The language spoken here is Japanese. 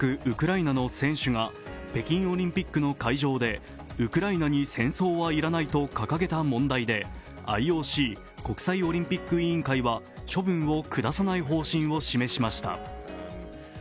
ウクライナの選手が北京オリンピックの会場でウクライナに「戦争はいらない」と掲げた問題でＩＯＣ＝国際オリンピック委員会は処分を下さない方針を示しました。